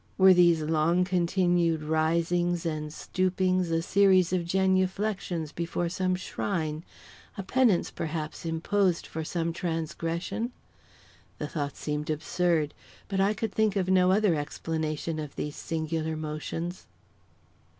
Were these long continued risings and stoopings a series of genuflexions before some shrine a penance, perhaps, imposed for some transgression? The thought seemed absurd. But I could think of no other explanation of these singular motions.